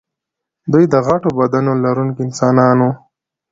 دوی د غټو بدنونو لرونکي انسانان وو.